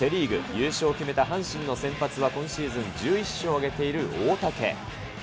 優勝を決めた阪神の先発は、今シーズン１１勝を挙げている大竹。